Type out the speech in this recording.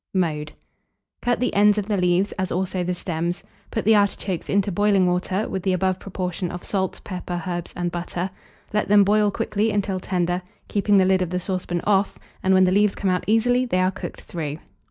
Mode. Cut the ends of the leaves, as also the stems; put the artichokes into boiling water, with the above proportion of salt, pepper, herbs, and butter; let them boil quickly until tender, keeping the lid of the saucepan off, and when the leaves come out easily, they are cooked enough.